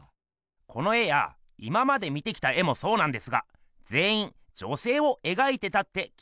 この絵や今まで見てきた絵もそうなんですがぜんいん女せいをえがいてたって気がついてました？